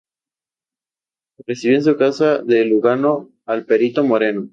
Recibió en su casa de Lugano al perito Moreno.